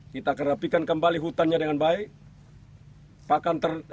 kita kerapikan kembali hutannya dengan baik